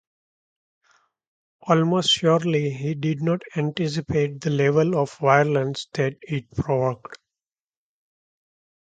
Almost surely he did not anticipate the level of violence that it provoked.